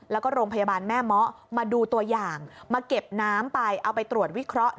แล้วก็โรงพยาบาลแม่เมาะมาดูตัวอย่างมาเก็บน้ำไปเอาไปตรวจวิเคราะห์